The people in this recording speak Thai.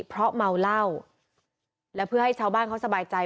เพราะเมาเหล้าและเพื่อให้ชาวบ้านเขาสบายใจ